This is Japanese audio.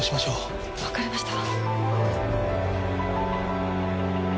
分かりました。